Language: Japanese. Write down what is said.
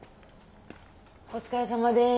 お疲れさまです。